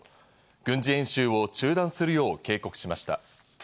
軍事演習を中断するよう警告しました。